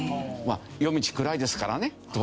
夜道暗いですからね。